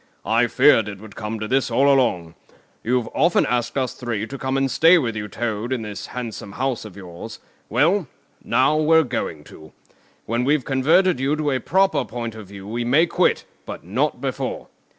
I feared it would come to this all along. You've often asked us three to come and stay with you, Toad, in this handsome house of yours; well, now we're going to. When we've converted you to a proper point of view we may quit, but not before.